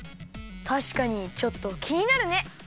たしかにちょっときになるね！